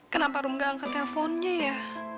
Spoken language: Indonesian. kenapa rom gak angkat teleponnya ya